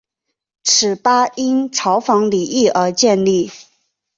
此吧因嘲讽李毅而建立。